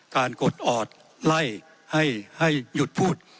กดออดไล่ให้หยุดพูด